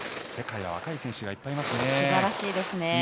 世界には若い選手がいっぱいいますね。